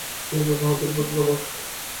এই ব্যবহারে দুরি তিরি পর্যন্ত অবাক।